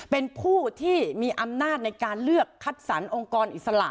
เป็นผู้ที่มีอำนาจในการเลือกคัดสรรองค์กรอิสระ